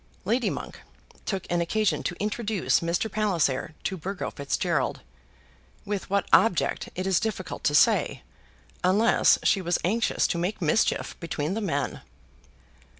Lady Monk took an occasion to introduce Mr. Palliser to Burgo Fitzgerald; with what object it is difficult to say, unless she was anxious to make mischief between the men.